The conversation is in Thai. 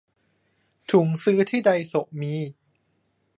ถุงซื้อที่ไดโซะมี